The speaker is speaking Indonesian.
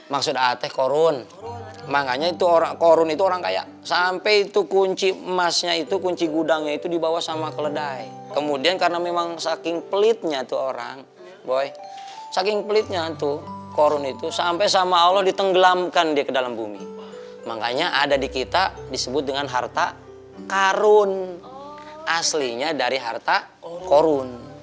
maksud at korun makanya itu orang korun itu orang kaya sampai itu kunci emasnya itu kunci gudangnya itu dibawa sama keledai kemudian karena memang saking pelitnya itu orang boy saking pelitnya itu korun itu sampai sama allah ditenggelamkan dia ke dalam bumi makanya ada di kita disebut dengan harta karun aslinya dari harta korun